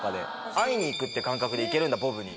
会いに行くって感覚で行けるんだボブに。